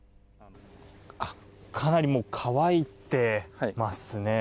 かなりもう乾いてますね。